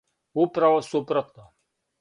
Управо супротно.